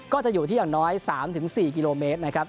ก็จะอยู่ที่อย่างน้อย๓๔กิโลเมตรนะครับ